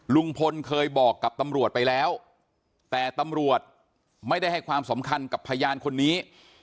ลุงพลเคยบอกกับตำรวจไปแล้วแต่ตำรวจไม่ได้ให้ความสำคัญกับพยานคนนี้